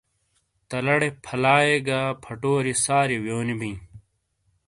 تَلاڑے فَلائیے گہ فٹوریئے ساریئے ویونی بِیں۔